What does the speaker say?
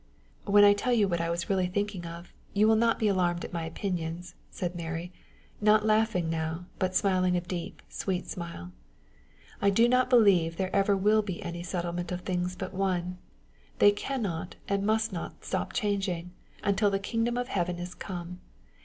"When I tell you what I was really thinking of, you will not be alarmed at my opinions," said Mary, not laughing now, but smiling a deep, sweet smile; "I do not believe there ever will be any settlement of things but one; they can not and must not stop changing, until the kingdom of heaven is come.